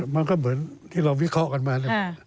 มันก็เหมือนที่เราวิเคราะห์กันมาเนี่ย